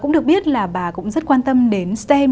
cũng được biết là bà cũng rất quan tâm đến stem